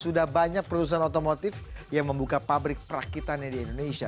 sudah banyak perusahaan otomotif yang membuka pabrik perakitannya di indonesia